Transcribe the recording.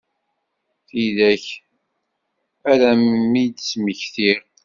Tidak ara m-id-smektiɣ.